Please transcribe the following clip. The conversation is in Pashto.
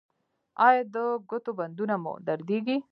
ایا د ګوتو بندونه مو دردیږي؟